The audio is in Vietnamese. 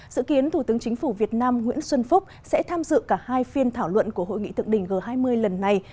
dự kiến thủ tướng chính phủ việt nam nguyễn xuân phúc sẽ tham dự cả hai phiên thảo luận của hội nghị thượng đỉnh g hai mươi lần này